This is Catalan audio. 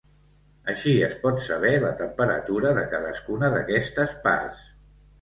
Així es pot saber la temperatura de cadascuna d'aquestes parts.